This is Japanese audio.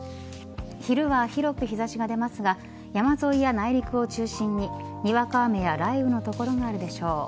昼は広く日差しが出ますが山沿いや内陸を中心ににわか雨や雷雨の所があるでしょう。